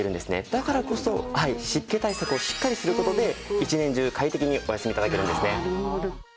だからこそ湿気対策をしっかりする事で一年中快適にお休み頂けるんですね。